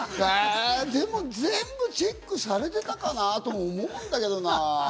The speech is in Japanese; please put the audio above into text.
でも全部チェックされてたかなと思うんだけどな。